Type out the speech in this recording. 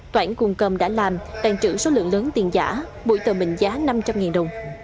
toãn cùng cầm đã làm tàn trữ số lượng lớn tiền giả mũi tờ mình giá năm trăm linh đồng